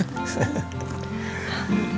sini sini biar tidurnya enak